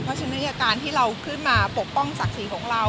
เพราะฉะนั้นการที่เราขึ้นมาปกป้องศักดิ์ศรีของเรา